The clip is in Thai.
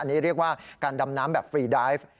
อันนี้เรียกว่าการดำน้ำแบบฟรีไดฟ์